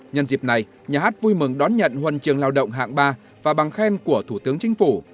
nhân dịp này nhà hát vui mừng đón nhận huân trường lao động hạng ba và bằng khen của thủ tướng chính phủ